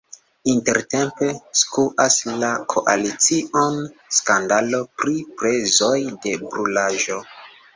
Intertempe skuas la koalicion skandalo pri prezoj de brulaĵo.